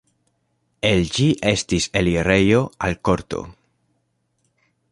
El ĝi estis elirejo al korto.